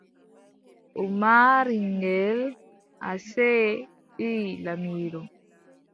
O maari ngel, asee, ɓii laamiiɗo.